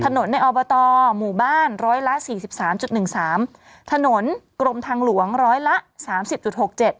ในอบตหมู่บ้านร้อยละสี่สิบสามจุดหนึ่งสามถนนกรมทางหลวงร้อยละสามสิบจุดหกเจ็ด